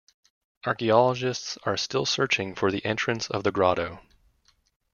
Archaeologists are still searching for the entrance of the grotto.